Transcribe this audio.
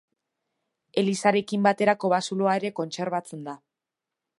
Elizarekin batera kobazuloa ere kontserbatzen da.